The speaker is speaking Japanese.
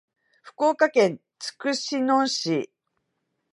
福岡県筑紫野市